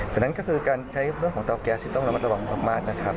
ดังนั้นก็คือการใช้เรื่องของเตาแก๊สที่ต้องระมัดระวังมากนะครับ